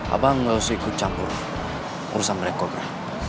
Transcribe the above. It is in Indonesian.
abah gak usah ikut campur urusan khamlek kobra